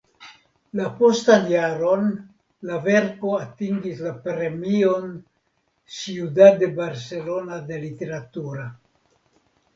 La postan jaron la verko atingis la Premion "Ciudad de Barcelona de literatura".